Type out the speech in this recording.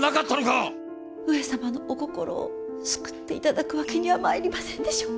上様のお心を救って頂くわけにはまいりませんでしょうか。